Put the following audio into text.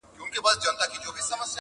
چي ژړل به یې ویلې به یې ساندي٫